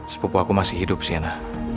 sepupu aku masih hidup siana